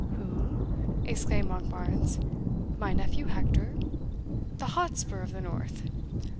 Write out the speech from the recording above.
"Who?" exclaimed Monkbarns, "my nephew Hector? the Hotspur of the North?